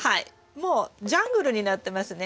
もうジャングルになってますね。